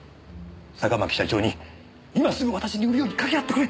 坂巻社長に今すぐ私に売るようにかけ合ってくれ！